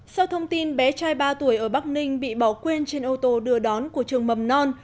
sau thông tin bé trai ba tuổi ở bắc ninh bị bỏ quên trên ô tô đưa đón của trường mầm non